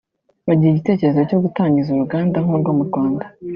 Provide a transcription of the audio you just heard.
bagira igitekerezo cyo gutangiza uruganda nk’urwo mu Rwanda